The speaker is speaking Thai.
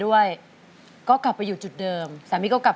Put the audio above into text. แล้วตอนนี้พี่พากลับไปในสามีออกจากโรงพยาบาลแล้วแล้วตอนนี้จะมาถ่ายรายการ